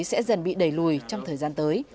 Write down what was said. sẽ dần bị đẩy lùi trong thời gian tới